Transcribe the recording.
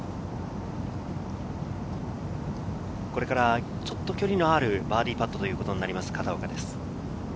これから距離のあるバーディーパットということになります、片岡です。